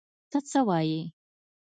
ته څه وایې!؟